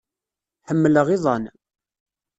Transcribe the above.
Ḥemmleɣ iḍan.